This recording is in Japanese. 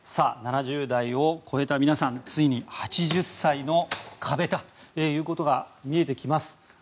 ７０代を超えた皆さんついに８０歳の壁が見えてきます。